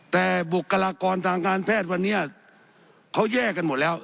แต่บุคลากรทางการแพทย์วันนี้เขาแยกกันหมดแล้ว